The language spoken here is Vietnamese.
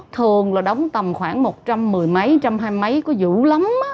thường là đóng tầm khoảng một trăm một mươi mấy một trăm hai mươi mấy có dữ lắm á